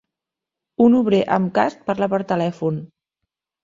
Un obrer amb casc parla per telèfon.